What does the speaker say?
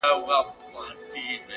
یوه ورځ ورته ناڅا په مرګی ګوري -